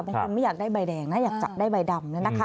เพราะคุณไม่อยากได้ใบแดงนะอยากจับได้ใบดำนะนะคะ